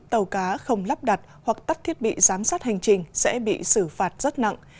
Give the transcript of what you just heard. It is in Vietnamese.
tàu cá không lắp đặt hoặc tắt thiết bị giám sát hành trình sẽ bị xử phạt rất nặng